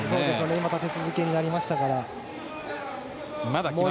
今立て続けになりましたから。